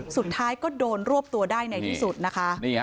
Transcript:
สุดท้ายก็โดนรวบตัวได้ในที่สุดนะคะ